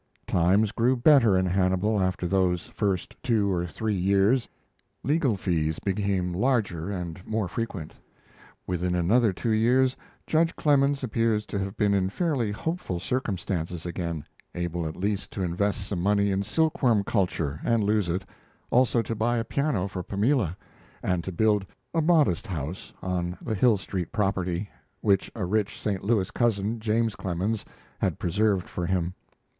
Times grew better in Hannibal after those first two or three years; legal fees became larger and more frequent. Within another two years judge Clemens appears to have been in fairly hopeful circumstances again able at least to invest some money in silkworm culture and lose it, also to buy a piano for Pamela, and to build a modest house on the Hill Street property, which a rich St. Louis cousin, James Clemens, had preserved for him.